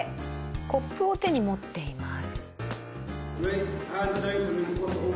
コップを手に持っています。